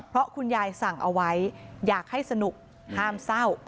เพราะคุณยายสั่งเอาไว้อยากให้สนุกห้ามเศร้า